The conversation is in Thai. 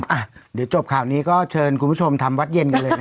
อ่ะเดี๋ยวจบข่าวนี้ก็เชิญคุณผู้ชมทำวัดเย็นกันเลยนะ